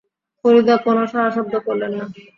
ফরিদা কোনো সাড়াশব্দ করলেন না।